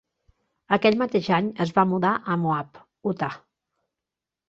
Aquell mateix any es va mudar a Moab, Utah.